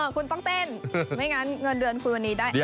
คุณต้องเต้นไม่งั้นเงินเดือนคุณวันนี้ได้